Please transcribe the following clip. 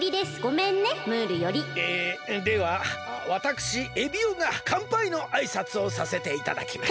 えではわたくしエビオがかんぱいのあいさつをさせていただきます。